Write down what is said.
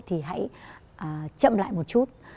thì hãy chậm lại một chút